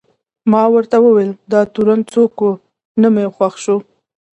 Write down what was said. ما ورته وویل: دا تورن څوک و؟ نه مې خوښ شو.